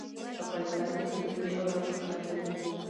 افغانستان د اقلیم له امله شهرت لري.